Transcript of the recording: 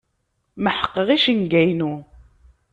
Meḥqeɣ icenga-inu.